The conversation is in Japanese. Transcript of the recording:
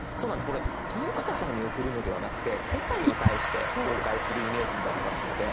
これ友近さんに送るのではなくて世界に対して公開するイメージになりますので。